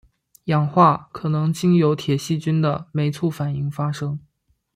氧化可能经由铁细菌的酶促反应发生。